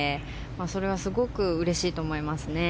それはすごくうれしいと思いますね。